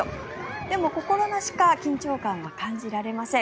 でも、心なしか緊張感は感じられません。